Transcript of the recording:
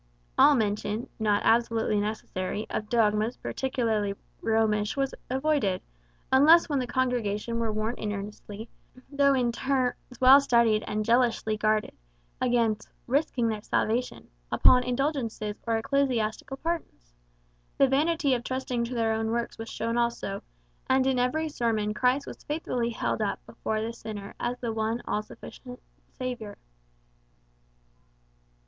All mention, not absolutely necessary, of dogmas peculiarly Romish was avoided, unless when the congregation were warned earnestly, though in terms well studied and jealously guarded, against "risking their salvation" upon indulgences or ecclesiastical pardons. The vanity of trusting to their own works was shown also; and in every sermon Christ was faithfully held up before the sinner as the one all sufficient Saviour.